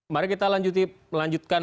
mari kita lanjutkan